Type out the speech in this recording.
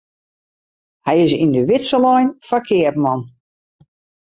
Hy is yn 'e widze lein foar keapman.